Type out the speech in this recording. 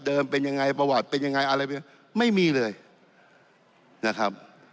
เป็นยังไงประวัติเป็นยังไงอะไรไม่มีเลยนะครับ